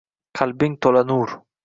Qalbing to’la nur